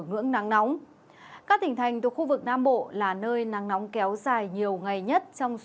ngưỡng nắng nóng các tỉnh thành thuộc khu vực nam bộ là nơi nắng nóng kéo dài nhiều ngày nhất trong